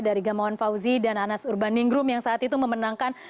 dari gamawan fauzi dan anas urbaningrum yang saat itu memenangkan